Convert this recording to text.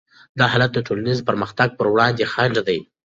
دا حالت د ټولنیز پرمختګ پر وړاندې خنډ دی.